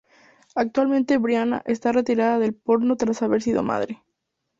Actualmente Brianna está retirada del porno tras haber sido madre.